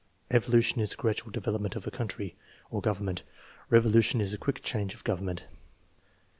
"Evolution is the gradual development of a country or government; revolution is a quick change of government."